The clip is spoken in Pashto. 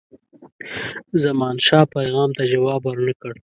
زمانشاه پیغام ته جواب ورنه کړ.